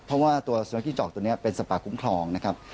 เพราะว่าตัวสุนัขกีจอกตัวนี้เป็นสปาคุ้มครองนะครับ